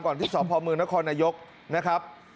ก่อนที่สอบภอมือนครนโยกนะครับ